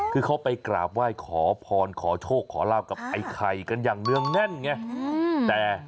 คือเขาไปกราบไหว้ขอพรขอโชคขอลาบกับไอ้ไข่กันอย่างเนื่องแน่นไง